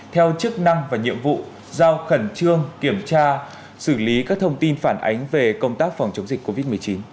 theo chức năng và nhiệm vụ giao khẩn trương kiểm tra xử lý các thông tin phản ánh về công tác phòng chống dịch covid một mươi chín